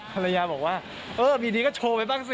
ภรรยาบอกว่าเออมีดีก็โชว์ไปบ้างสิ